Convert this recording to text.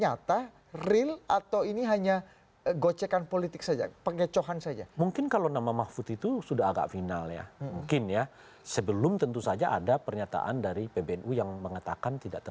jelang penutupan pendaftaran